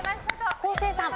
昴生さん。